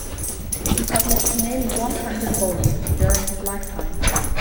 He published nearly one hundred volumes during his lifetime.